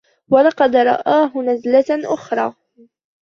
وَلَقَدْ رَآهُ نَزْلَةً أُخْرَى